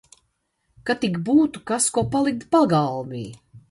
Kad tik būtu kas ko palikt pagalvī.